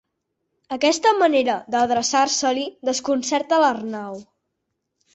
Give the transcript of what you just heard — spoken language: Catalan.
Aquesta manera d'adreçar-se-li desconcerta l'Arnau.